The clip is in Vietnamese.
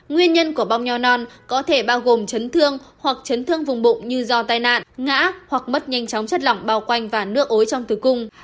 nguyên nhân của bom nho non có thể bao gồm chấn thương hoặc chấn thương vùng bụng như do tai nạn ngã hoặc mất nhanh chóng chất lỏng bao quanh và nước ối trong tử cung